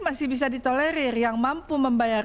masih bisa ditolerir yang mampu membayar